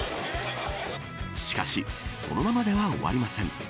しかしこのままでは終わりません。